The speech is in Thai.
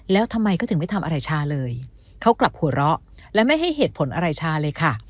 แล้วทำไมเขาถึงไม่ทำอะไรชาเลยเขากลับหัวเราะและไม่ให้เหตุผลอะไรชาเลยค่ะ